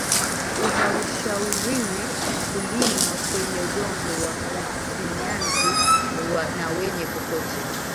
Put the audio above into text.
Uhaushauriwi kulima kwenye dongo wa mfinyazi na wenye kokoto